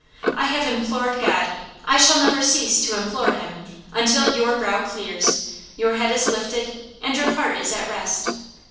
I have implored God, I shall never cease to implore Him, until your brow clears, your head is lifted, and your heart is at rest.